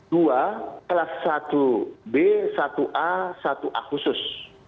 dua kelas satu b satu a satu a khusus